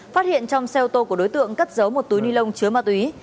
phát hiện trong xe ô tô của đối tượng cất giấu một túi ni lông chứa ma túy